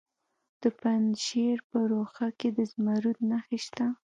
د پنجشیر په روخه کې د زمرد نښې شته.